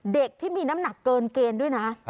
เด็กที่มีน้ำหนักเกินเกณฑ์ด้วยนะ